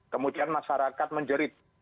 kemudian masyarakat menjerit